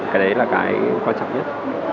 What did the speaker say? cái đấy là cái quan trọng nhất